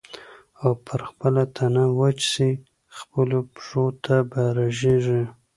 او پر خپله تنه وچ سې خپلو پښو ته به رژېږې